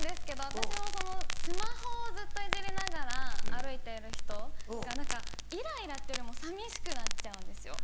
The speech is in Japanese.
私もスマホをずっといじりながら歩いている人がイライラっていうよりも寂しくなっちゃうんですよ。